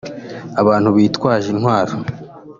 abantu bitwaje intwaro